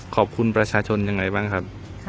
ขอบคุณประชาชนยังไงบ้างครับ